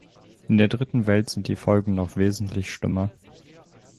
In der Dritten Welt sind die Folgen noch wesentlich schlimmer.